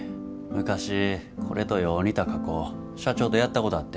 昔これとよう似た加工社長とやったことあって。